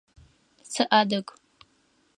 Сыадыг.